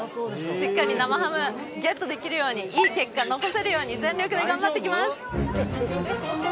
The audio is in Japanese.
しっかり生ハムゲットできるようにいい結果残せるように全力で頑張ってきます